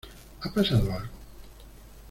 ¿ ha pasado algo?